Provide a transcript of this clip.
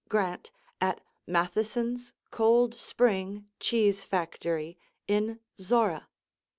Grant at Matheson's Cold Spring Cheese Factory in Zorra, 1888.